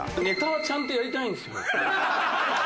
ネタはちゃんとやりたいんですよ。